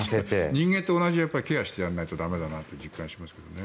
人間と同じにケアしてやらないと駄目だなと実感しますけどね。